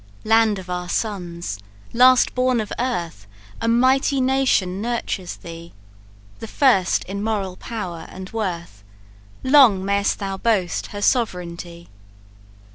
Land of our sons! last born of earth, A mighty nation nurtures thee; The first in moral power and worth, Long mayst thou boast her sovereignty!